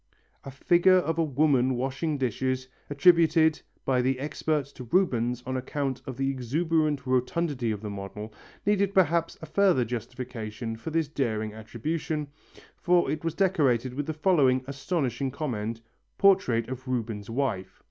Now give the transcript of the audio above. A figure of a woman washing dishes, attributed by the expert to Rubens on account of the exuberant rotundity of the model, needed perhaps a further justification for this daring attribution, for it was decorated with the following astonishing comment: "Portrait of Rubens' wife."